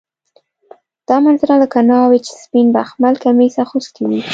دا منظره لکه ناوې چې سپین بخمل کمیس اغوستی وي.